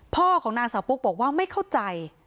พ่อของนางสาวปุ๊กบอกว่าไม่เข้าใจ